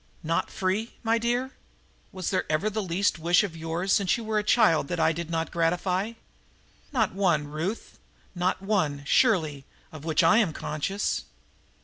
"Not free, my dear? Was there ever the least wish of yours since you were a child that I did not gratify? Not one, Ruth; not one, surely, of which I am conscious!"